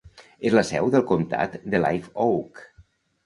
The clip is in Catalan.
És la seu del comtat de Live Oak.